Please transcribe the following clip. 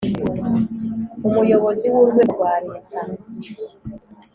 Umuyobozi w urwego rwa Leta